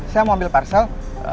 saya mau ambil parsel